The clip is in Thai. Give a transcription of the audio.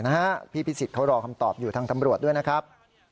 อ๋อไม่มีใครติดต่อกับมันเลยครับ